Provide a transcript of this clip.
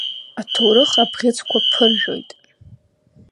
Аҭоурых абӷьыцқәа ԥыржәоит.